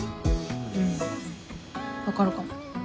うん分かるかも。